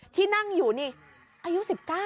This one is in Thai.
ที่นั่งอยู่นี่อายุ๑๙